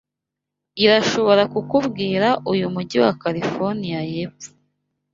irashobora kukubwira uyu mujyi wa Californiya yepfo